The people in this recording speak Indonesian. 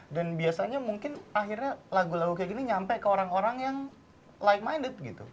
dan biasanya mungkin akhirnya lagu lagu kayak gini nyampe ke orang orang yang like minded gitu